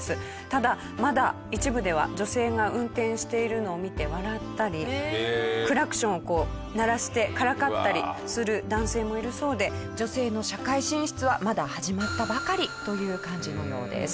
ただまだ一部では女性が運転しているのを見て笑ったりクラクションを鳴らしてからかったりする男性もいるそうで女性の社会進出はまだ始まったばかりという感じのようです。